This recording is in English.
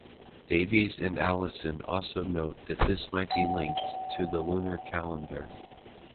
Davies and Allison also note that this might be linked to the lunar calendar.